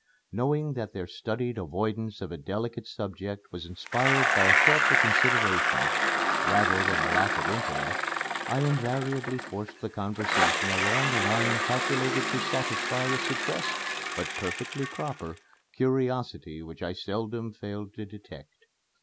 Knowing that their studied avoidance of a delicate subject was inspired by a thoughtful consideration, rather than a lack of interest, I invariably forced the conversation along a line calculated to satisfy a suppressed, but perfectly proper, curiosity which I seldom failed to detect.